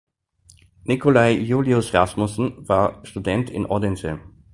Nicolai Julius Rasmussen war Student in Odense.